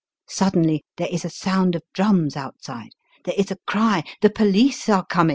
Suddenly there is a sound of drums outside. There is a cry, *^ The police are coming !